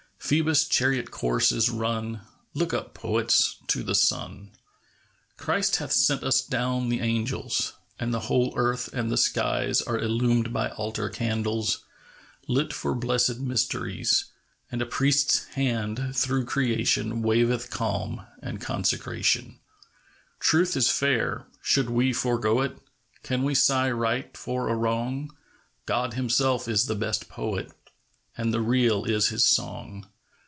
Phoebus' chariot course is run ! Look up, poets, to the sun ! Christ hath sent us down the angels; And the whole earth and the skies Are illumed by altar candles TRUTH. 35 Lit for blessed mysteries ; And a Priest's Hand, through creation, Waveth calm and consecration. Truth is fair; should we forego it? Can we sigh right for a wrong ? God Himself is the best Poet, And the Real is His song.